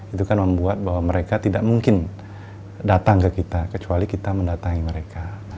itu kan membuat bahwa mereka tidak mungkin datang ke kita kecuali kita mendatangi mereka